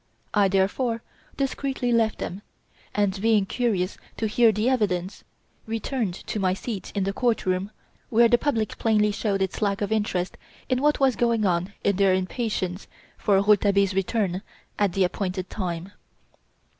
I, therefore, discreetly left them and, being curious to hear the evidence, returned to my seat in the court room where the public plainly showed its lack of interest in what was going on in their impatience for Rouletabille's return at the appointed time.